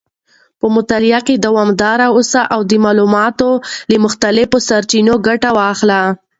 په مطالعه کې دوامداره اوسئ او د معلوماتو له مختلفو سرچینو ګټه واخلئ.